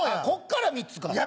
こっから３つか。